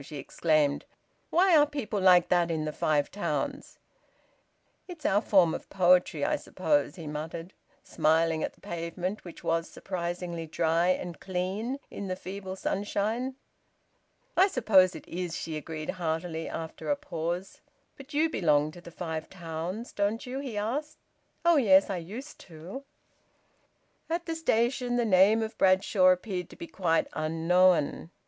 she exclaimed. "Why are people like that in the Five Towns?" "It's our form of poetry, I suppose," he muttered, smiling at the pavement, which was surprisingly dry and clean in the feeble sunshine. "I suppose it is!" she agreed heartily, after a pause. "But you belong to the Five Towns, don't you?" he asked. "Oh yes! I used to." At the station the name of Bradshaw appeared to be quite unknown.